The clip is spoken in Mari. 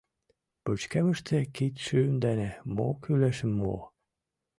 Пычкемыште кидшӱм дене мо кӱлешым муо.